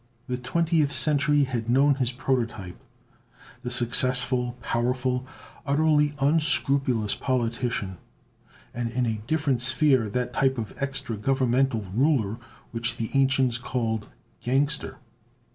The Twentieth Century had known his prototype, the successful, powerful, utterly unscrupulous politician; and in a different sphere, that type of extra Governmental ruler which the ancients called "gangster."